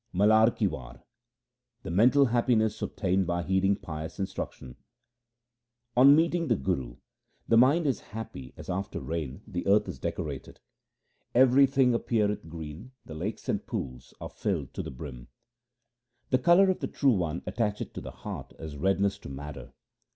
Malar ki War The mental happiness obtained by heeding pious instruction :— On meeting the Guru the mind is happy as after rain the earth is decorated : Everything appeareth green, the lakes and pools are filled to the brim. HYMNS OF GURU AMAR DAS 243 The colour of the True One attacheth to the heart as redness to madder.